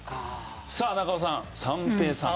さあ中尾さん三平さん。